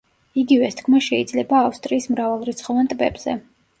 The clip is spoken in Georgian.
იგივეს თქმა შეიძლება ავსტრიის მრავალრიცხოვან ტბებზე.